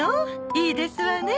いいですわね。